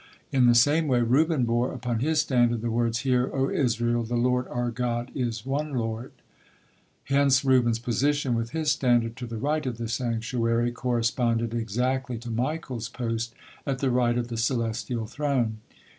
In the same way Reuben bore upon his standard the words, "Hear, O Israel: the Lord our God is one Lord," hence Reuben's position with his standard to the right of the sanctuary corresponded exactly to Michael's post at the right of the celestial Throne.